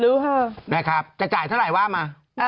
รู้ครับแม่ครับจะจ่ายเท่าไรว่ามา